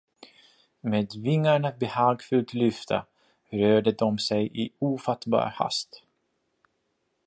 Med vingarna behagfullt lyfta rörde de sig i ofattbar hast.